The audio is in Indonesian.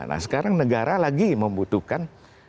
nah sekarang negara lagi membutuhkan